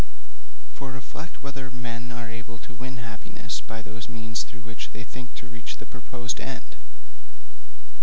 For reflect whether men are able to win happiness by those means through which they think to reach the proposed end.